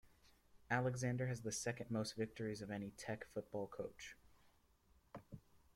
Alexander has the second most victories of any Tech football coach.